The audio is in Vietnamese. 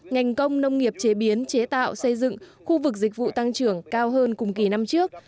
ngành công nông nghiệp chế biến chế tạo xây dựng khu vực dịch vụ tăng trưởng cao hơn cùng kỳ năm trước